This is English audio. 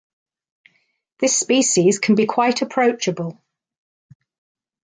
This species can be quite approachable.